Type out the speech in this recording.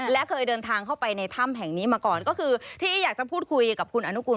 และเคยเดินทางเข้าไปในถ้ำแห่งนี้มาก่อนก็คือที่อยากจะพูดคุยกับคุณอนุกูล